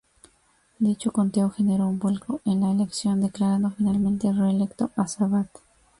Dicho conteo generó un vuelco en la elección, declarando finalmente reelecto a Sabat.